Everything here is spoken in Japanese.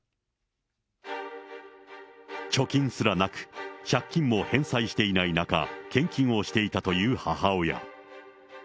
貯金すらなく、借金も返済していない中、献金をしていたという母親。